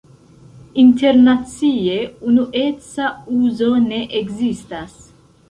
Internacie unueca uzo ne ekzistas.